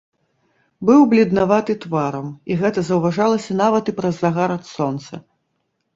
Быў бледнаваты тварам, і гэта заўважалася нават і праз загар ад сонца.